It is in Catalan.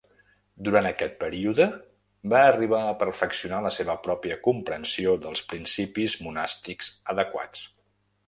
Durant aquest període, va arribar a perfeccionar la seva pròpia comprensió dels principis monàstics adequats.